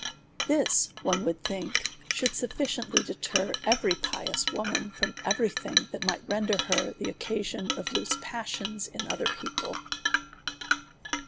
This, one would think, should sufficiently deter every pious woman from every thing that might ren der her the occasion of loose passions in other people.